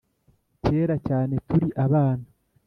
Kera cyane turi abana